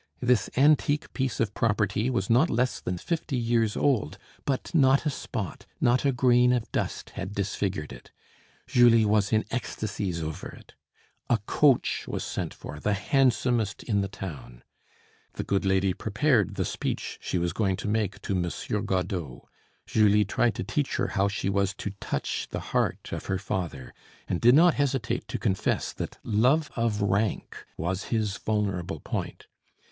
This antique piece of property was not less than fifty years old; but not a spot, not a grain of dust had disfigured it; Julie was in ecstasies over it. A coach was sent for, the handsomest in the town. The good lady prepared the speech she was going to make to Monsieur Godeau; Julie tried to teach her how she was to touch the heart of her father, and did not hesitate to confess that love of rank was his vulnerable point.